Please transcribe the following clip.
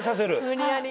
無理やり？